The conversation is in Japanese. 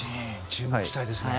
注目したいですね。